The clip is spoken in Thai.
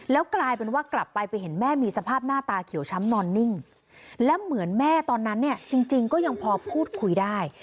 แล้วกลายเป็นว่ากลับไปไปเห็นแม่มีสภาพหน้าตาเขียวช้ำนอนนิ่งและเหมือนแม่ตอนนั้นเนี่ยจริงก็ยังพอพูดคุยได้